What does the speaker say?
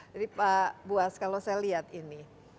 jadi pak buas kalau saya lihat ini